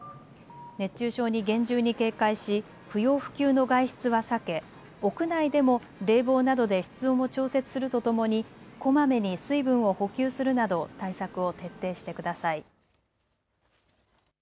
熱中症に厳重に警戒し不要不急の外出は避け、屋内でも冷房などで室温を調節するとともにこまめに水分を補給するなど対策を徹底してください。